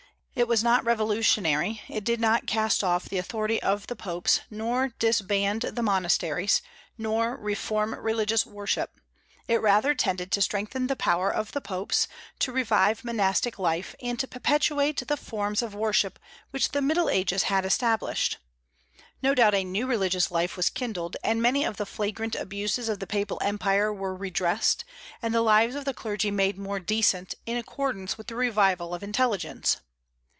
It was not revolutionary; it did not cast off the authority of the popes, nor disband the monasteries, nor reform religious worship: it rather tended to strengthen the power of the popes, to revive monastic life, and to perpetuate the forms of worship which the Middle Ages had established. No doubt a new religious life was kindled, and many of the flagrant abuses of the papal empire were redressed, and the lives of the clergy made more decent, in accordance with the revival of intelligence.